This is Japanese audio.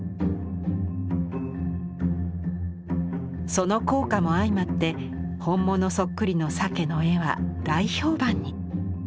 その効果も相まって本物そっくりの鮭の絵は大評判に。